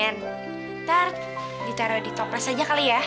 ntar ditaruh di topres aja kali ya